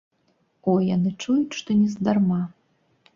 О, яны чуюць, што нездарма.